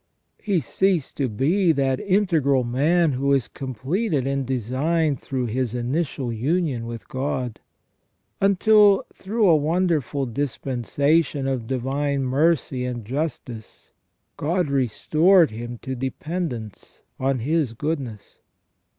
He ceased to be that integral man who is completed in design through his initial union with God, until through a wonderful dispensation of divine mercy and justice God restored him to dependence on His goodness.